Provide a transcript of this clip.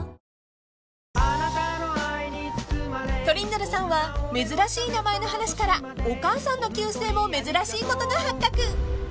［トリンドルさんは珍しい名前の話からお母さんの旧姓も珍しいことが発覚］